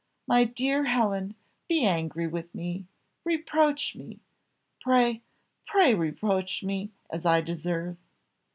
My dear Helen, be angry with me reproach me: pray pray reproach me as I deserve!"